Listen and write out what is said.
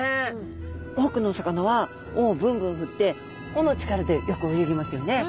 多くのお魚は尾をぶんぶん振って尾の力でよく泳ぎますよね。